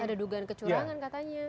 ada dugaan kecurangan katanya